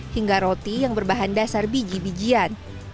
hingga roti yang berbahan dasar biji bijian